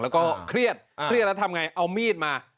แล้วก็เครียดแล้วทำไงเอามีดมา